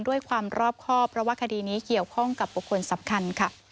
ด้วยความรอบครอบเพราะว่าคดีนี้เกี่ยวข้องกับบุคคลสำคัญค่ะ